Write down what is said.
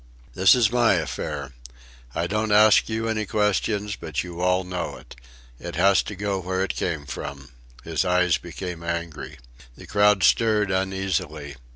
"This is my affair. I don't ask you any questions, but you all know it; it has got to go where it came from." His eyes became angry. The crowd stirred uneasily.